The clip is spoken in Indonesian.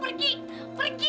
pergi dari rumah gue